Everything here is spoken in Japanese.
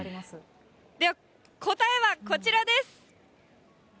では、答えはこちらです。